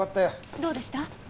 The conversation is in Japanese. どうでした？